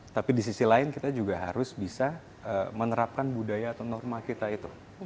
tapi di sisi lain kita juga harus bisa menerapkan budaya atau norma kita itu